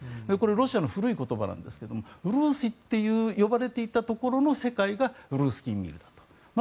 ロシアの古い言葉なんですがルーシと呼ばれていたところの世界がルースキー・ミールだと。